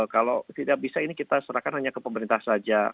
kalau tidak bisa ini kita serahkan hanya ke pemerintah saja